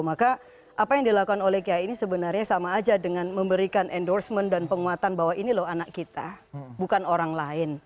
maka apa yang dilakukan oleh kiai ini sebenarnya sama aja dengan memberikan endorsement dan penguatan bahwa ini loh anak kita bukan orang lain